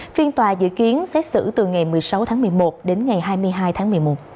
phiên tòa dự kiến xét xử từ ngày một mươi sáu tháng một mươi một đến ngày hai mươi hai tháng một mươi một